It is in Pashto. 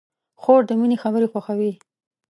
خور د مینې خبرې خوښوي.